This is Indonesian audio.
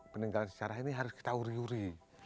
peninggalan sejarah ini harus kita uri uri